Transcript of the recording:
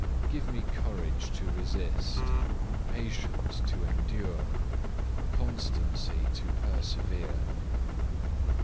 Give me courage to resist, patience to endure, constancy to persevere.